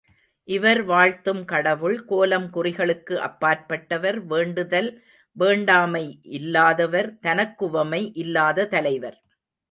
இவர் வாழ்த்தும் கடவுள், கோலம் குறிகளுக்கு அப்பாற் பட்டவர் வேண்டுதல் வேண்டாமை இல்லாதவர் தனக்குவமை இல்லாத தலைவர்.